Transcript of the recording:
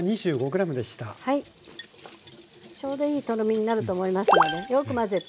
ちょうどいいとろみになると思いますのでよく混ぜて。